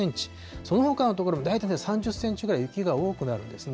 そのほかの所も大体３０センチぐらい雪が多くなるんですね。